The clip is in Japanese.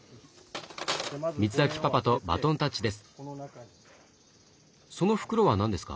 光昭パパとバトンタッチです。